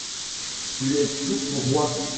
Tu es tout pour moi.